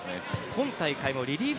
今大会リリーフ